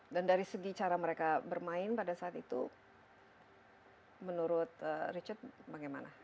dan dari segi cara mereka bermain pada saat itu menurut richard bagaimana